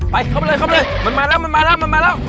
ไปเข้ามาเลยมันมาแล้ว